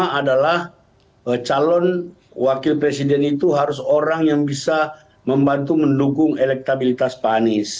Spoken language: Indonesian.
yang pertama adalah calon wakil presiden itu harus orang yang bisa membantu mendukung elektabilitas pak anies